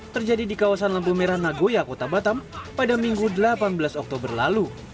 terjadi di kawasan lampu merah nagoya kota batam pada minggu delapan belas oktober lalu